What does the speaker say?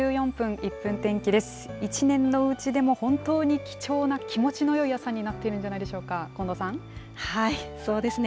一年のうちでも本当に貴重な気持ちのよい朝になってるんじゃないそうですね。